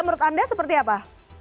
menurut anda seperti apa